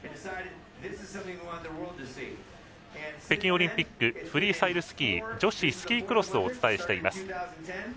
北京オリンピックフリースタイルスキー女子スキークロスをお伝えしています。